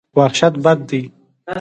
وحشت بد دی.